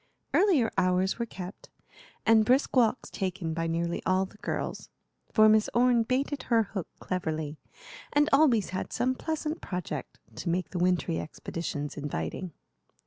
Earlier hours were kept, and brisk walks taken by nearly all the girls; for Miss Orne baited her hook cleverly, and always had some pleasant project to make the wintry expeditions inviting.